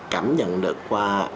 cảm nhận được qua